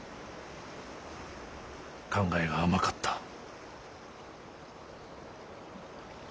考えが甘かった。